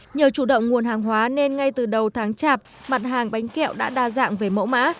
nhờ chủ động nguồn hàng hóa nên ngay từ đầu tháng chạp mặt hàng bánh kẹo đã đa dạng về mẫu mã